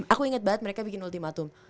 aku inget banget mereka bikin ultimatum